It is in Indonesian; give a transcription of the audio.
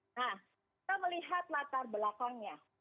nah kita melihat latar belakangnya